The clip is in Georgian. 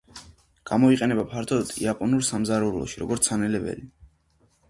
გამოიყენება ფართოდ იაპონურ სამზარეულოში, როგორც სანელებელი.